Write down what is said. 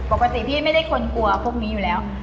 ปกติพี่ไม่ได้คนกลัวพวกนี้อยู่แล้ว